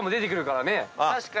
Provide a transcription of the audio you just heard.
確かに。